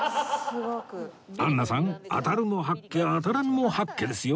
アンナさん当たるも八卦当たらぬも八卦ですよ